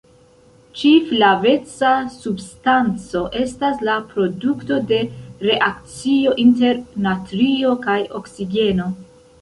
Ĉi-flaveca substanco estas la produkto de reakcio inter natrio kaj oksigeno.